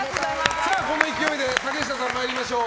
この勢いで竹下さん参りましょう。